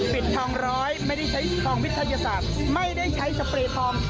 ปิดทองร้อยไม่ได้ใช้ทองวิทยาศาสตร์ไม่ได้ใช้สเปรย์ทอง